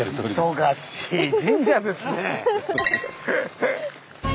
忙しい神社ですね。